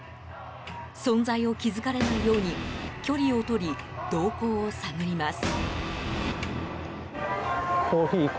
存在を気づかれないように距離を取り、動向を探ります。